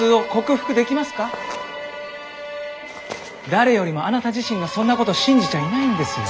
誰よりもあなた自身がそんなこと信じちゃいないんですよ。